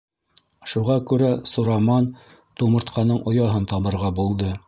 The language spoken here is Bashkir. Шуға күрә Сураман тумыртҡаның ояһын табырға булды.